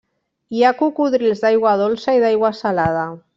Hi ha cocodrils d'aigua dolça i d'aigua salada.